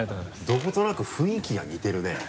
どことなく雰囲気が似てるね。